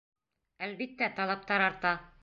Әлбиттә, талаптар арта.